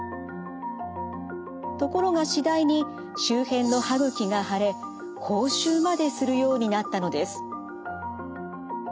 ところが次第に周辺の歯ぐきが腫れ口臭までするようになったのです。